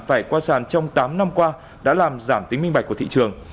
phải qua sàn trong tám năm qua đã làm giảm tính minh bạch của thị trường